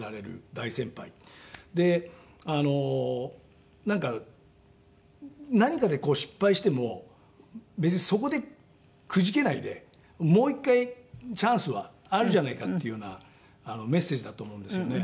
であのなんか何かで失敗しても別にそこでくじけないでもう一回チャンスはあるじゃないかっていうようなメッセージだと思うんですよね。